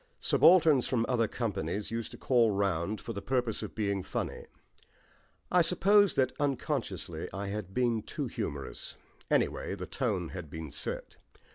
Subalterns from other companies used to call round for the purpose of being funny; I suppose that unconsciously I had been too humorous anyway, the tone had been set.